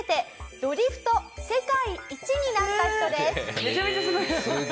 めちゃめちゃすごい。